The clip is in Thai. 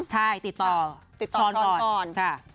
ใช่ติดต่อติดต่อชอนก่อน